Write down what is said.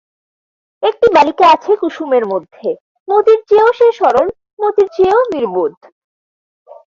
একটি বালিকা আছে কুসুমের মধ্যে, মতির চেয়েও যে সরল, মতির চেয়েও নির্বোধ।